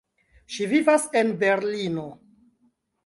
Ŝi vivas en Berlino.